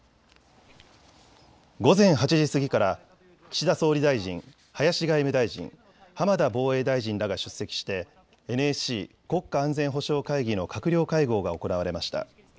午前８時過ぎから岸田総理大臣、林外務大臣、浜田防衛大臣らが出席してＮＳＣ・国家安全保障会議の閣僚会合が行われました。